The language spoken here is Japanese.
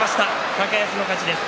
高安の勝ちです。